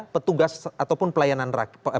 petugas ataupun pelayanan rakyat